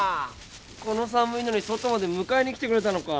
この寒いのに外まで迎えに来てくれたのか。